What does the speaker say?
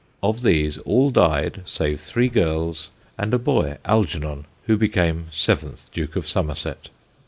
Of these all died save three girls, and a boy, Algernon, who became seventh Duke of Somerset.